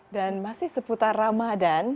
dan masih seputar ramadan